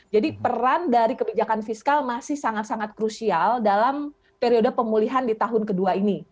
jadi peran dari kebijakan fiskal masih sangat sangat krusial dalam periode pemulihan di tahun ke dua ini